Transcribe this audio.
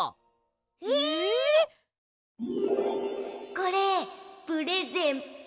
これプレゼント。